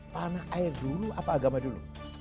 tanah air dulu apa agama dulu